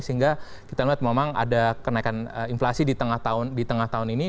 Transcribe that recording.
sehingga kita lihat memang ada kenaikan inflasi di tengah tahun ini